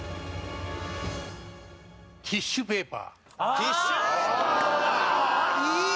ティッシュペーパーは？いい！